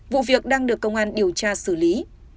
vụ việc đang được công an điều tra xử lý